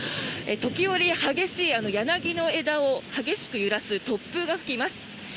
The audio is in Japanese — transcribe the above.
時折、激しい雨、柳の枝を激しく揺らす突風が吹きます。